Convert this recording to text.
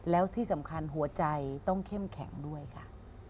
แล้วที่สำคัญหัวใจต้องเข้มแข็งด้วยค่ะ